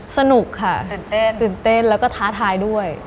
สนุกค่ะตื่นเต้นแล้วก็ท้าทายด้วย